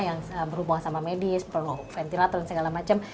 yang berhubungan sama medis perlu ventilator dan segala macam